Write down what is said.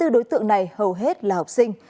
hai mươi đối tượng này hầu hết là học sinh